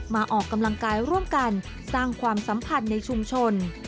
ออกกำลังกายร่วมกันสร้างความสัมพันธ์ในชุมชน